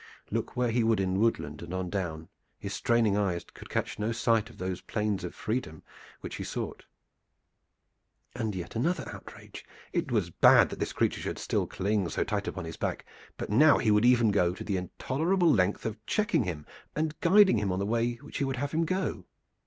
Look where he would in woodland and on down, his straining eyes could catch no sign of those plains of freedom which he sought. And yet another outrage! It was bad that this creature should still cling so tight upon his back, but now he would even go to the intolerable length of checking him and guiding him on the way that he would have him go.